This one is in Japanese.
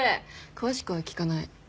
詳しくは聞かない。